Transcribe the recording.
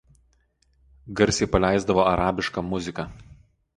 garsiai paleisdavo arabišką muziką